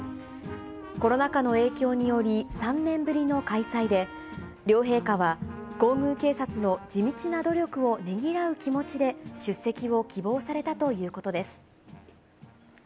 コロナ禍の影響により、３年ぶりの開催で、両陛下は皇宮警察の地道な努力をねぎらう気持ちで出席を希望されたということです。